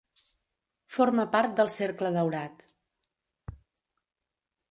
Forma part del Cercle Daurat.